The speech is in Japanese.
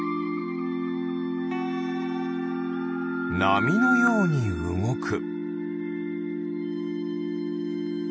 なみのようにうごく。